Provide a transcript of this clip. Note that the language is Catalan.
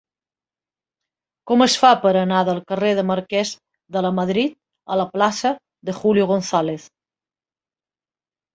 Com es fa per anar del carrer del Marquès de Lamadrid a la plaça de Julio González?